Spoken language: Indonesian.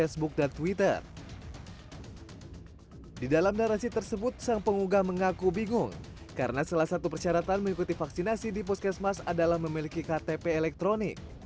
seorang warganet yang menurutnya tidak akan mengikuti vaksinasi di poskesmas adalah memiliki ktp elektronik